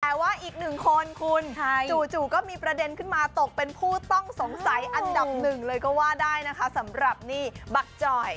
แต่ว่าอีกหนึ่งคนคุณจู่ก็มีประเด็นขึ้นมาตกเป็นผู้ต้องสงสัยอันดับหนึ่งเลยก็ว่าได้นะคะสำหรับนี่บักจ่อย